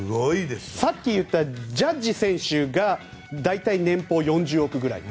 さっき言ったジャッジ選手が大体、年俸４０億くらい。